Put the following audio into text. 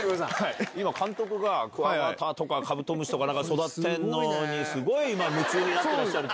今監督がクワガタとかカブトムシとか育てるのにすごい夢中になってらっしゃると。